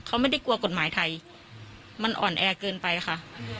เขาไม่ได้กลัวกฎหมายไทยมันอ่อนแอเกินไปค่ะ